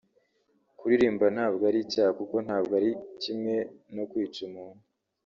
Kuririmba ntabwo ari icyaha kuko ntabwo ari kimwe no kwica umuntu